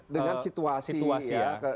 dengan situasi ya